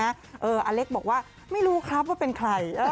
อาเล็กบอกว่าไม่รู้ครับว่าเป็นใคร